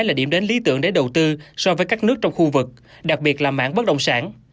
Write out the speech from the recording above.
là điểm đến lý tưởng để đầu tư so với các nước trong khu vực đặc biệt là mảng bất động sản